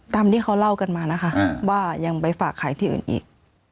ตามที่เขาเล่ากันมานะคะว่ายังไปฝากขายที่อื่นอีก